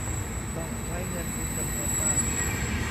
ต้องใช้เงินทุนจำนวนมาก